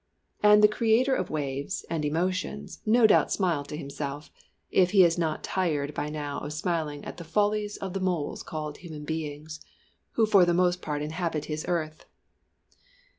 And the Creator of waves and emotions no doubt smiled to Himself if He is not tired by now of smiling at the follies of the moles called human beings, who for the most part inhabit His earth!